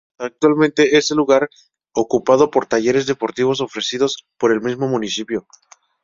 Actualmente el lugar es ocupado por talleres deportivos ofrecidos por el mismo municipio.